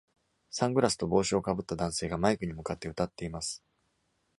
サングラスと帽子をかぶった男性がマイクに向かって歌っています